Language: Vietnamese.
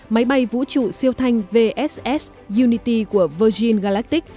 máy bay vũ trụ siêu thanh vss unity của virgin galactic